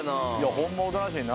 ホンマおとなしいな。